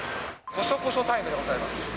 こしょこしょタイムでございます。